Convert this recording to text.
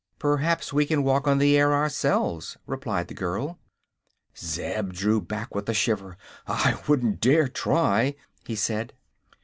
"Perhaps we can walk on the air ourselves," replied the girl. Zeb drew back with a shiver. "I wouldn't dare try," he said.